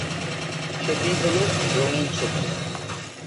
সেটিই হ'ল 'রঙিন ছবি'।